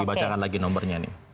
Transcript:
dibacakan lagi nomernya nih